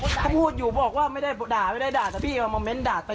พี่คนที่พักมาเขาบอกว่าขอโทษแล้วเข้าใจ